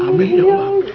amin ya allah